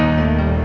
ate bisa menikah